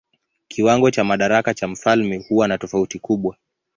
Kiwango cha madaraka cha mfalme huwa na tofauti kubwa.